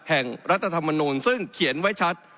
แห่งรัฐธรรมนุนซึ่งเขียนไว้ชัด